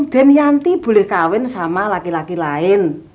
den yanti boleh kawin sama laki laki lain